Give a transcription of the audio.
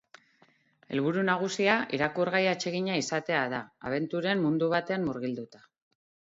Helburu nagusia irakurgai atsegina izatea da, abenturen mundu batean murgilduta.